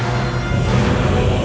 aku mau ke rumah